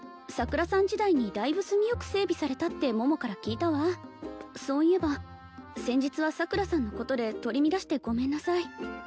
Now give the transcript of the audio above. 桜さん時代にだいぶ住みよく整備されたって桃から聞いたわそういえば先日は桜さんのことで取り乱してごめんなさい